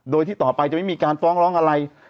โดยที่ต่อไปจะไม่มีการฟ้องร้องอะไร